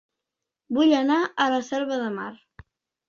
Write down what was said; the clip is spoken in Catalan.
Vull anar a La Selva de Mar